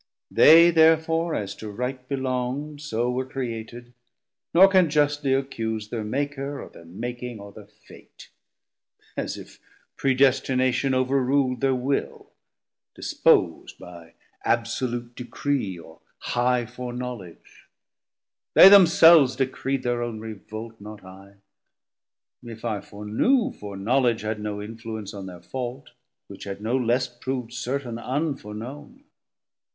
They therefore as to right belongd, So were created, nor can justly accuse Thir maker, or thir making, or thir Fate; As if Predestination over rul'd Thir will, dispos'd by absolute Decree Or high foreknowledge; they themselves decreed Thir own revolt, not I: if I foreknew, Foreknowledge had no influence on their fault, Which had no less prov'd certain unforeknown.